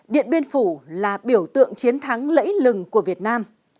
điện biên phủ là biểu tượng chiến thắng lẫy lừng của việt nam